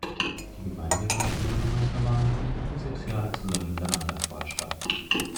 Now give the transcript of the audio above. Die Gemeinderats- und Bürgermeisterwahlen finden alle sechs Jahre zusammen mit der Landtagswahl statt.